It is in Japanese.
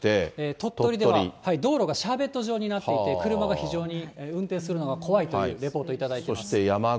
鳥取では道路がシャーベット状になっていて、車が非常に運転するのが怖いというレポート頂いております。